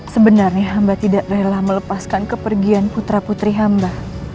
sebenarnya hamba tidak rela melepaskan kepergian putra putri hamba